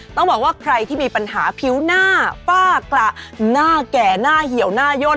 ต้องบอกว่าใครที่มีปัญหาผิวหน้าฝ้ากระหน้าแก่หน้าเหี่ยวหน้าย่น